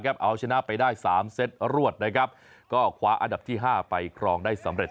เอาชนะไปได้๓เซตรวดนะครับก็คว้าอันดับที่๕ไปครองได้สำเร็จ